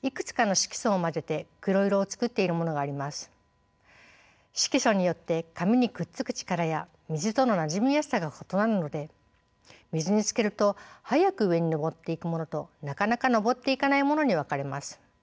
色素によって紙にくっつく力や水とのなじみやすさが異なるので水につけると早く上に上っていくものとなかなか上っていかないものに分かれます。